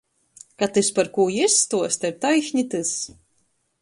Ka tys, par kū jis stuosta, ir taišni tys.